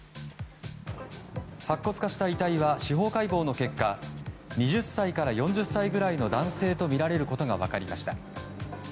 白骨化した遺体は司法解剖の結果２０歳から４０歳くらいの男性とみられることが分かりました。